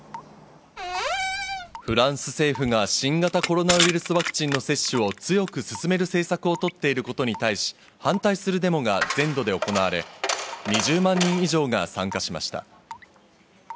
フランス政府が新型コロナウイルスワクチンの接種を強く進める政策をとっていることに対し、反対するデモが全土で行われ、２０万人以上が参加しました。